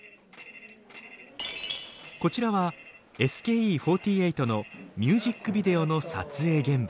こちらはＳＫＥ４８のミュージックビデオの撮影現場。